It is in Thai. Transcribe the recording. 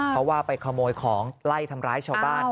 เพราะว่าไปขโมยของไล่ทำร้ายชาวบ้าน